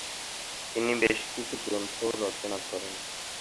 তিনি বেশ কিছু গ্রন্থও রচনা করেন।